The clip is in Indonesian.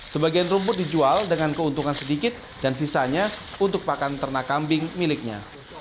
sebagian rumput dijual dengan keuntungan sedikit dan sisanya untuk pakan ternak kambing miliknya